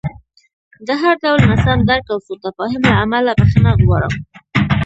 د هر ډول ناسم درک او سوء تفاهم له امله بښنه غواړم.